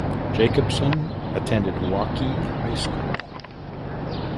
Jacobson attended Waukee High School.